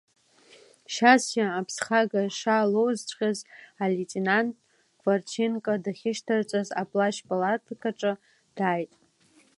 Шьасиа аԥсгаха шаалоузҵәҟьа алеитенант Кравченко дахьышьҭарҵаз аплашьпалаткаҿы дааит.